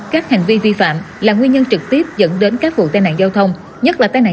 các hành vi vi phạm là nguyên nhân trực tiếp dẫn đến các vụ tai nạn giao thông nhất là tai nạn